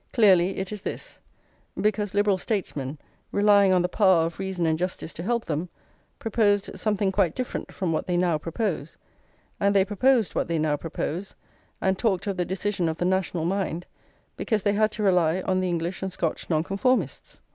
Clearly it is this; because Liberal statesmen, relying on the power of reason and justice to help them, proposed something quite different from what they now propose; and they proposed what they now propose, and talked of the decision of the national mind, because they had to rely on the English and Scotch Nonconformists.